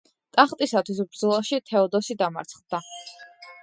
ტახტისათვის ბრძოლაში თეოდოსი დამარცხდა.